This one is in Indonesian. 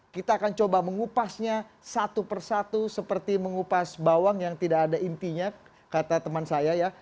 kita akan coba mengupasnya satu persatu seperti mengupas bawang yang tidak ada intinya kata teman saya ya